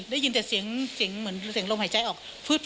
ได้ยินแต่เสียงลมหายใจออก